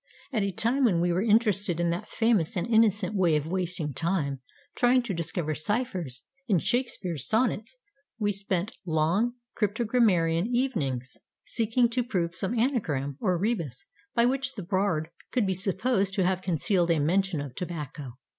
At a time when we were interested in that famous and innocent way of wasting time, trying to discover ciphers in Shakespeare's sonnets, we spent long cryptogrammarian evenings seeking to prove some anagram or rebus by which the Bard could be supposed to have concealed a mention of tobacco.